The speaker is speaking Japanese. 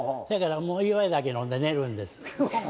そやからもう祝い酒飲んで寝るんです。